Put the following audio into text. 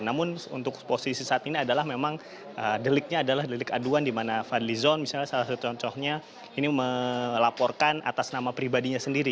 namun untuk posisi saat ini adalah memang deliknya adalah delik aduan di mana fadli zon misalnya salah satu contohnya ini melaporkan atas nama pribadinya sendiri